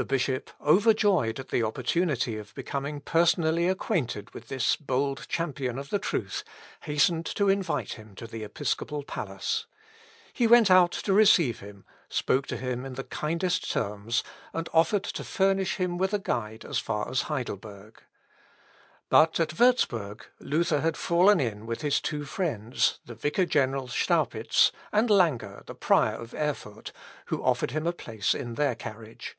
The bishop, overjoyed at the opportunity of becoming personally acquainted with this bold champion of the truth, hastened to invite him to the episcopal palace. He went out to receive him, spoke to him in the kindest terms, and offered to furnish him with a guide as far as Heidleberg. But at Wurzburg, Luther had fallen in with his two friends, the vicar general Staupitz, and Lange, the prior of Erfurt, who offered him a place in their carriage.